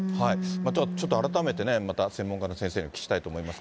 ちょっと改めてね、また専門家の先生にお聞きしたいと思いますが。